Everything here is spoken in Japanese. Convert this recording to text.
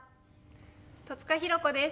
戸塚寛子です。